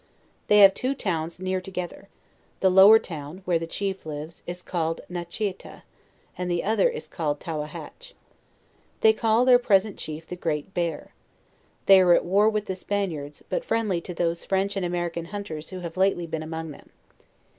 They have two towns near together; the lower town, where the chief lives, is cal led Niteheta, and the other is called Towahach. They call their present chief the GREAT BEAR. They are at war with the Spaniards, but friendly to those French and American hunters who have lately been among them.